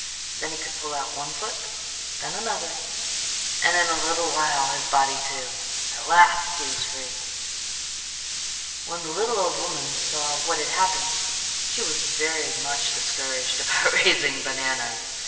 Then he could pull out one foot, then another, and in a little while his body, too. At last he was free. When the little old woman saw what had happened she was very much discouraged about raising bananas.